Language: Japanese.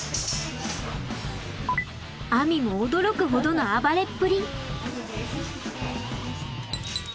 あみも驚くほどの暴れっぷり。